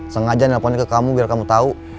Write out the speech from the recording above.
sengaja nelponin ke kamu biar kamu tahu